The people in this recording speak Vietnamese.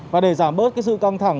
và để giảm bớt cái sự căng thẳng